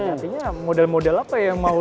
artinya model model apa ya yang mau